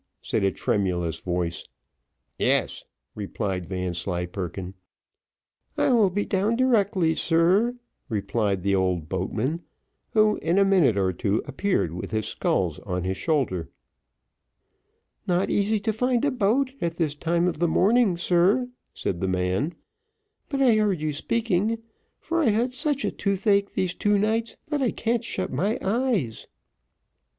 said a tremulous voice. "Yes," replied Vanslyperken. "I will be down directly, sir," replied the old boatman, who in a minute or two appeared with his sculls on his shoulder. "Not easy to find a boat at this time of the morning, sir," said the man; "but I heard you speaking, for I've had such a toothache these two nights that I can't shut my eyes."